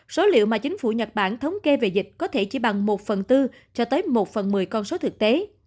số liệu mà chính phủ nhật bản thống kê về dịch có thể chỉ bằng một phần tư cho tới một phần một mươi con số thực tế